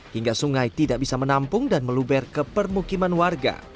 hingga sungai tidak bisa menampung dan meluber ke permukiman warga